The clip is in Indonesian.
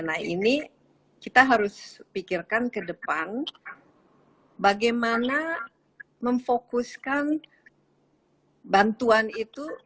nah ini kita harus pikirkan ke depan bagaimana memfokuskan bantuan itu